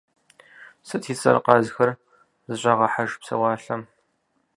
Сыт и цӏэр къазхэр зыщӀагъэхьэж псэуалъэм?